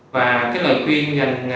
và cái lời khuyên